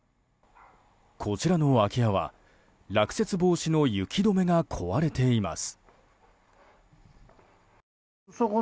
こちらの空き家は落雪防止の雪止めが壊れています。